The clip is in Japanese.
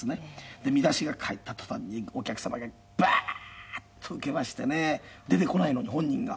見出しが返った途端にお客様がバーッとウケましてね出てこないのに本人が。